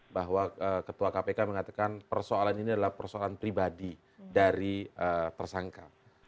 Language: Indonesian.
bahwa ketua kpk mengatakan persoalan ini adalah persoalan pribadi dari tersangka